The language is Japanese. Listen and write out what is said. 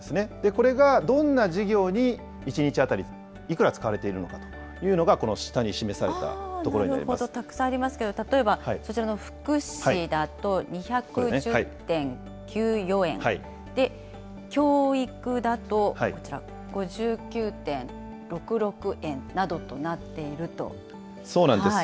これがどんな事業に、１日当たりでいくら使われているのかというのが、この下に示されたくさんありますけれども、例えば福祉だと２１０．９４円、教育だとこちら、５９．６６円なそうなんです。